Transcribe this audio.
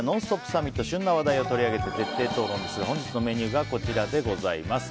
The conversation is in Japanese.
サミット旬な話題を取り上げて徹底討論ですが本日のメニューがこちらでございます。